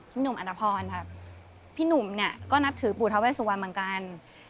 พี่หนุ่มอันรพรครับพี่หนุ่มเนี่ยก็นับถือปูเท้าแวดสุวรรค์เหมือนกัน